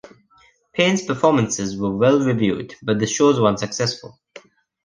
Payn's performances were well reviewed, but the shows were unsuccessful.